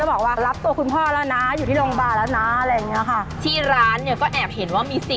ใช่ค่ะคือทั้งบ้านไม่มีใครเป็นแล้วมีพ่อ